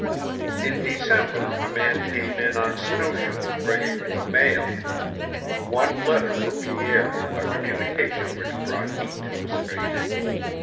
In December a man came in on snowshoes bringing "the mail" one letter for Pierre, a communication which brought heat to his face.